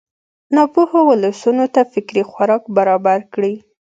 ناپوهو ولسونو ته فکري خوراک برابر کړي.